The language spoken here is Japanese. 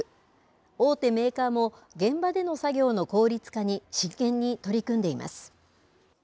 大手メーカーも現場での作業の効率化に真剣に取り組んでいます。